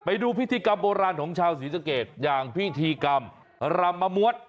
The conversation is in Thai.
ไปดูพิธีกรรมโบราณของชาวศรีสะเกดอย่างพิธีกรรมรำมะมวด